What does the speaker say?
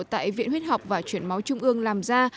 tại viện huyết học và chuyển máu trung ương làm ra